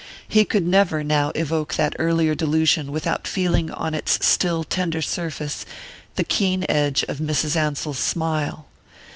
He could never, now, evoke that earlier delusion without feeling on its still tender surface the keen edge of Mrs. Ansell's smile.